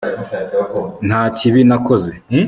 nta kibi nakoze